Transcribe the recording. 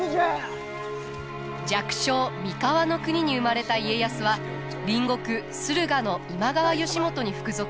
弱小三河国に生まれた家康は隣国駿河の今川義元に服属。